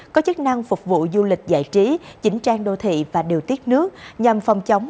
có chức năng phục vụ du lịch giải trí chỉnh trang đô thị và điều tiết nước nhằm phòng chống